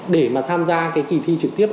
để mà tham gia cái kỳ thi trực tiếp